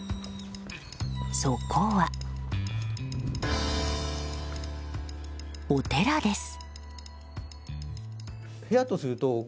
そこは。お寺です。